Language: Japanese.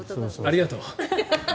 ありがとう。